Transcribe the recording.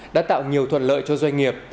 đã tạo nhiều thuận lợi cho doanh nghiệp